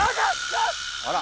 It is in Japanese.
あら。